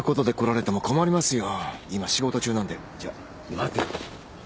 待て。